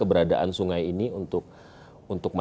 seberapa penting sesungguhnya kondisi sungai citarum